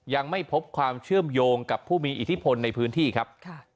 ยังไม่พบความเชื่อมโยงกับผู้มีอิทธิพลในพื้นที่ครับ